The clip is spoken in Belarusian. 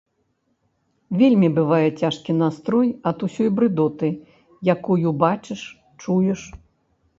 Вельмі бывае цяжкі настрой ад усёй брыдоты, якую бачыш, чуеш.